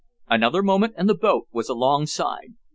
Another moment and the boat was alongside.